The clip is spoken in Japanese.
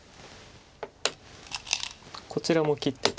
こちらも切ってて。